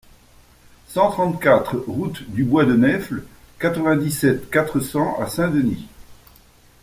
cent trente-quatre route du Bois de Nèfles, quatre-vingt-dix-sept, quatre cents à Saint-Denis